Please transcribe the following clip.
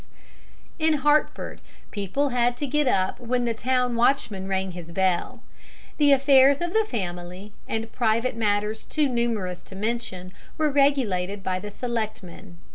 [Illustration: THE TOWN WATCHMAN.] In Hartford people had to get up when the town watchman rang his bell. The affairs of the family, and private matters too numerous to mention, were regulated by the selectmen.